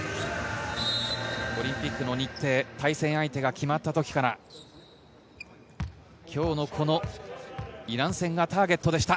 オリンピックの日程、対戦相手が決まった時から、今日のこのイラン戦がターゲットでした。